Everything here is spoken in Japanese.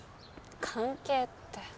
関係って。